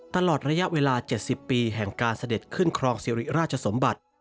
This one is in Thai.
ตลอดระยะเวลา๗๐ปีแห่งการเสด็จขึ้นครองสิริราชสมบัติ